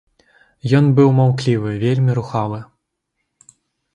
Ён быў маўклівы, вельмі рухавы.